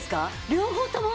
両方とも？